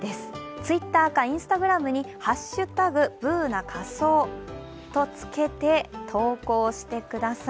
ＴｗｉｔｔｅｒかＩｎｓｔａｇｒａｍに「＃ブーナの仮装」とつけて投稿してください。